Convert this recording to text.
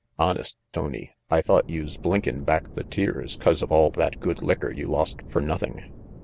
"Honest, Tony, I thought youse blinkin' back the tears 'cause of all that good licker you lost fer nothing.